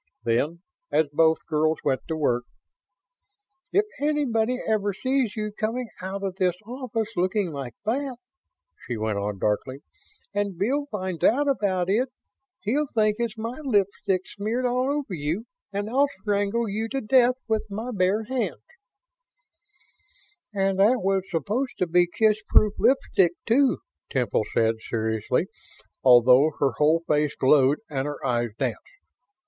Then, as both girls went to work: "If anybody ever sees you coming out of this office looking like that," she went on, darkly, "and Bill finds out about it, he'll think it's my lipstick smeared all over you and I'll strangle you to death with my bare hands!" "And that was supposed to be kissproof lipstick, too," Temple said, seriously although her whole face glowed and her eyes danced.